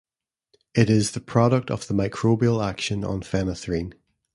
It is the product of the microbial action on phenanthrene.